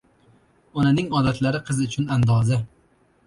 • Onaning odatlari qiz uchun andoza.